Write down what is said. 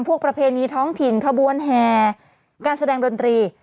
ประเพณีท้องถิ่นขบวนแห่การแสดงดนตรี